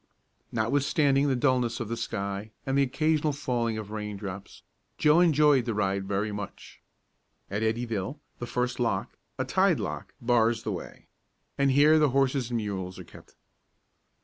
Notwithstanding the dulness of the sky and the occasional falling of raindrops, Joe enjoyed the ride very much. At Eddyville the first lock, a tide lock, bars the way, and here the horses and mules are kept.